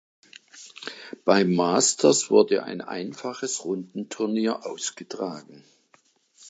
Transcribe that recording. Beim Masters wurde ein einfaches Rundenturnier ausgetragen.